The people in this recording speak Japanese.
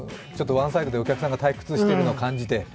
ちょっとワンサイドでお客さんが退屈してるのを感じて？